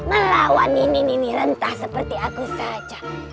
melawan nini nini rentah seperti aku saja